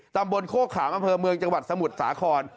ตำบลโคกขามอำเภอเมืองจังหวัดสมุทรสาคร